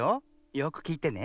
よくきいてね。